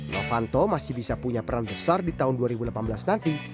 novanto masih bisa punya peran besar di tahun dua ribu delapan belas nanti